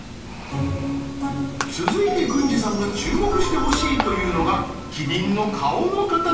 続いて郡司さんが注目してほしいというのがキリンの顔の形。